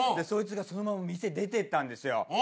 そいつがそのまま店出てったんですよ。